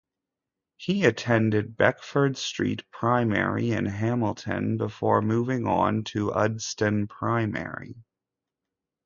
He attended Beckford Street Primary in Hamilton before moving on to Udston Primary.